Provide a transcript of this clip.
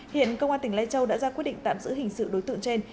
hiện công an tỉnh lai châu đã ra quyết định tạm giữ hình sự đối tượng trên